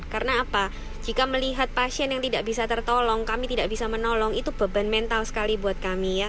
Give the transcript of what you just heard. karena apa jika melihat pasien yang tidak bisa tertolong kami tidak bisa menolong itu beban mental sekali buat kami